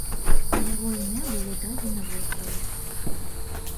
Яго імя было дадзена востраву.